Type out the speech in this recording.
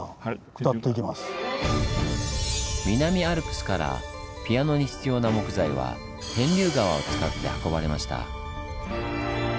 南アルプスからピアノに必要な木材は天竜川を使って運ばれました。